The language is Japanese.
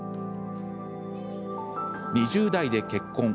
２０代で結婚。